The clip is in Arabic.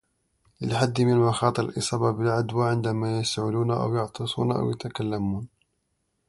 للحد من مخاطر الإصابة بالعدوى عندما يسعلون أو يعطسون أو يتكلمون